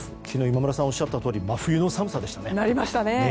昨日、今村さんがおっしゃったとおり真冬の寒さでしたね。